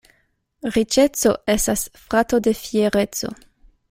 Riĉeco estas frato de fiereco.